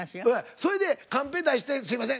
それでカンペ出してすいません